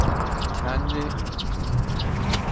Ceanglaíonn an droichead an t-oileán leis an mórthír.